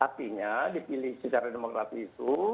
artinya dipilih secara demokratis itu